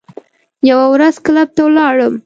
یوه ورځ کلب ته ولاړم.